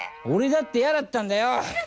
俺だって嫌だったんだよ！